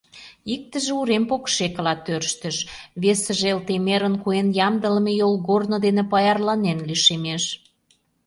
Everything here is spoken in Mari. Иктыже урем покшекыла тӧрштыш, весыже Элтемырын куэн ямдылыме йолгорно дене паярланен лишемеш.